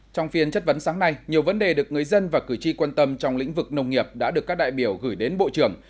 trong phiên chất vấn sáng nay nhiều vấn đề được người dân và cử tri quan tâm trong lĩnh vực nông nghiệp đã được các đại biểu gửi đến bộ trưởng